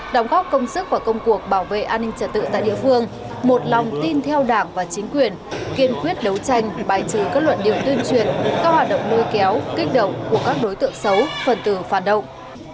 đồng góp công sức và công cuộc bảo vệ an ninh trật tự tại địa phương một lòng tin theo đảng và chính quyền kiên quyết đấu tranh bài trừ các luận điều tuyên truyền các hoạt động nuôi kéo kích động của các đối tượng xấu phần từ phản động